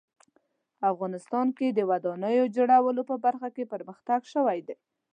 افغانستان کې د ودانیو جوړولو په برخه کې پرمختګ شوی ده